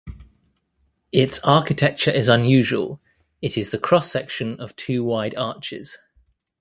Its architecture is unusual, it is the cross section of two wide arches.